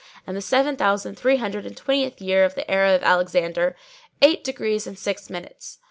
and the seven thousand three hundred and twentieth year of the era of Alexander, eight degrees and six minutes.